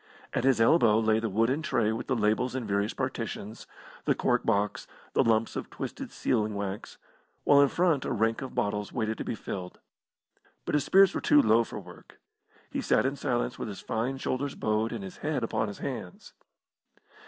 At his elbow lay the wooden tray with the labels in various partitions, the cork box, the lumps of twisted sealing wax, while in front a rank of bottles waited to be filled. But his spirits were too low for work. He sat in silence with his fine shoulders bowed and his head upon his hands.